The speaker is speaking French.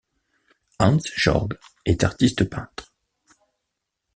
Hans Jorg est artiste peintre.